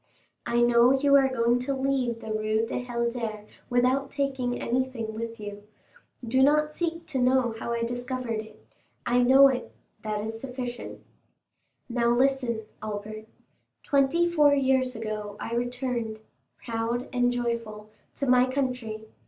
I know you are going to leave the Rue du Helder without taking anything with you. Do not seek to know how I discovered it; I know it—that is sufficient. "Now, listen, Albert. Twenty four years ago I returned, proud and joyful, to my country.